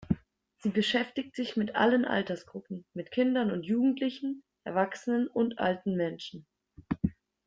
Sie beschäftigt sich mit allen Altersgruppen: mit Kindern und Jugendlichen, Erwachsenen und alten Menschen.